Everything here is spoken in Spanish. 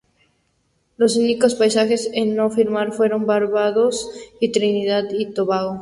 Los únicos países en no firmar fueron Barbados y Trinidad y Tobago.